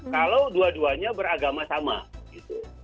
kalau dua duanya beragama sama gitu